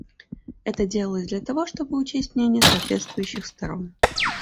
Это делалось для того, чтобы учесть мнения соответствующих сторон.